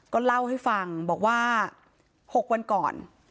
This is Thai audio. ก็เล่าให้ฟังบอกว่า๖วันก่อน